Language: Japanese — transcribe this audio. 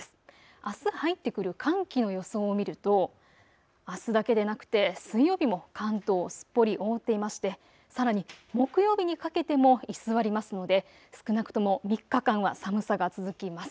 あす入ってくる寒気の予想を見ると、あすだけでなくて水曜日も関東をすっぽり覆っていまして、さらに木曜日にかけても居座りますので少なくとも３日間は寒さが続きます。